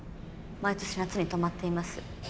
毎年夏に泊まっています。